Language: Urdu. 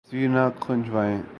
تصویر نہ کھنچوان